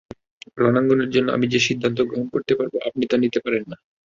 রণাঙ্গনের জন্য আমি যে সিদ্ধান্ত গ্রহণ করতে পারব আপনি তা নিতে পারেন না।